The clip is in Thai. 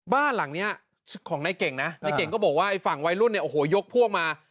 บ้านหลังนี้ของนายเก่งนะในเก่งก็บอกว่าไอ้ฝั่งวัยรุ่นเนี่ยโอ้โหยกพวกมา